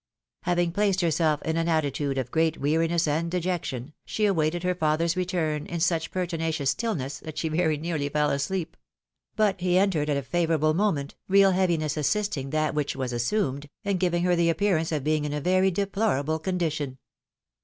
Having placed herself in an attitude of great weariness and dejection, she awaited her father's return in such pertinacious stillness that she very nearly feU asleep ; but he entered at a favourable mo ment, real heaviness assisting that which was assumed, and giving her the appearance of being in a very deplorable condi tion.